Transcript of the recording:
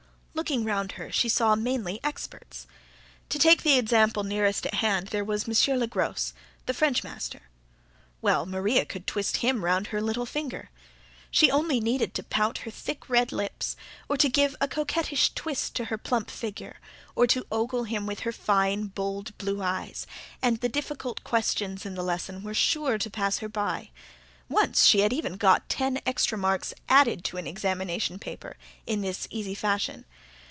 Looking round her, she saw mainly experts. To take the example nearest at hand: there was Monsieur Legros, the French master; well, Maria could twist him round her little finger. She only needed to pout her thick, red lips, or to give a coquettish twist to her plump figure, or to ogle him with her fine, bold, blue eyes, and the difficult questions in the lesson were sure to pass her by. Once she had even got ten extra marks added to an examination paper, in this easy fashion.